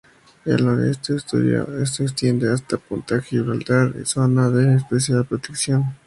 Al noroeste, el estuario se extiende hasta punta Gibraltar, otra zona de especial protección.